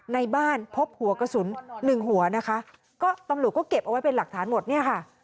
ในบ้านพบหัวกระสุนหนึ่งหัวนะคะก็ตำรวจก็เก็บเอาไว้เป็นหลักฐานหมดเนี่ยค่ะ